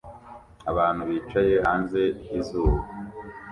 Abantu bicaye hanze izuba